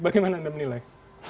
bagaimana anda menilai